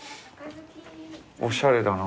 おしゃれだな。